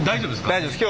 大丈夫です。